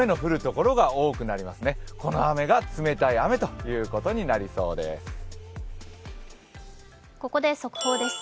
この雨が冷たい雨ということになりそうです。